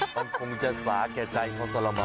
ต้องคงจะสาแก่ใจเขาสละบ่